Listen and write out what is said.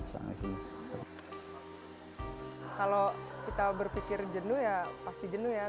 kalau kita berpikir jenuh ya pasti jenuh ya